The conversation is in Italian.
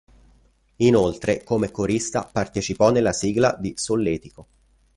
Inoltre come corista partecipò nella sigla di Solletico.